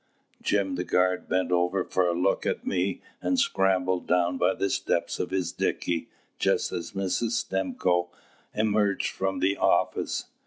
Jim the guard bent over for a look at me, and scrambled down by the steps of his dickey, just as Mrs. Stimcoe emerged from the office.